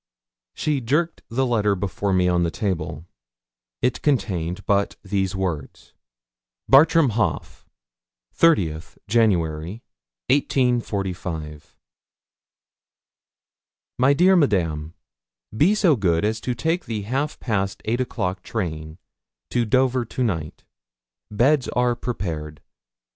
She jerked the letter before me on the table. It contained but these words: Bartram Haugh: '30th January, 1845. 'MY DEAR MADAME, 'Be so good as to take the half past eight o'clock train to Dover to night. Beds are prepared.